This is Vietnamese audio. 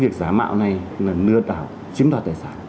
việc giả mạo này là lừa đảo chiếm đoạt tài sản